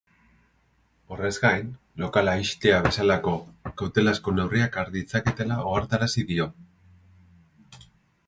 Horrez gain, lokala ixtea bezalako kautelazko neurriak har ditzaketela ohartarazi dio.